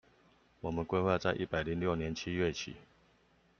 我們規劃在一百零六年七月起